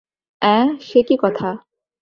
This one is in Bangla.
অ্যাঁ, সে কী কথা।